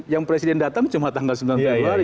yang presiden datang cuma tanggal sembilan februari